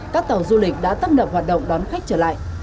các tàu du lịch đã tấp nập hoạt động đón khách trở lại